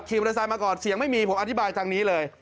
มอเตอร์ไซค์มาก่อนเสียงไม่มีผมอธิบายทางนี้เลย